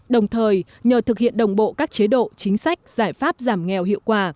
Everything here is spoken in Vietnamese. đồng thời nhờ thực hiện đồng bộ các chế độ chính sách giải pháp giảm nghèo hiệu quả